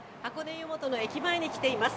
湯本の駅前に来ています。